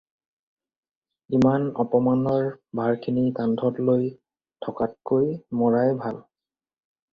ইমান অপমানৰ ভাৰখনি কান্ধত লৈ থকাতকৈ মৰাই ভাল